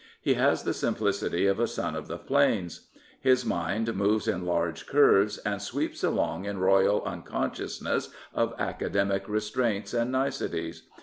He has the simplicity of a son of the plains. His mind moves in large curves, and sweeps along in royal unconsciousness of academic restraints and niceties.